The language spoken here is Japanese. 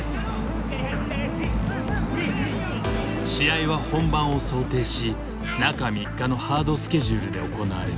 試合は本番を想定し中３日のハードスケジュールで行われる。